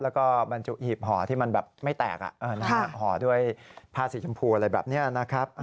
แล้วก็บรรจุหีบห่อที่มันแบบไม่แตกห่อด้วยผ้าสีชมพูอะไรแบบนี้นะครับ